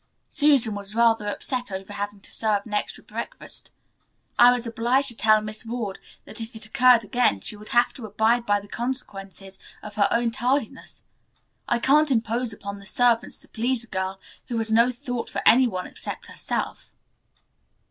Susan was rather upset over having to serve an extra breakfast. I was obliged to tell Miss Ward that if it occurred again she would have to abide by the consequences of her own tardiness. I can't impose upon the servants to please a girl who has no thought for any one except herself."